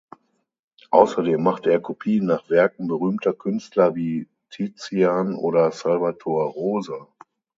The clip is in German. Außerdem machte er Kopien nach Werken berühmter Künstler wie Tizian oder Salvator Rosa.